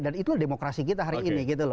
dan itu demokrasi kita hari ini